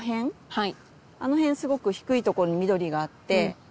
はい。